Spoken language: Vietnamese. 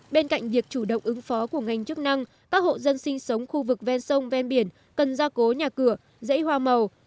bên cạnh việc chủ động ứng phó của ngành chức năng các hộ dân sinh sống khu vực ven sông ven biển cần ra cố nhà cửa dãy hoa màu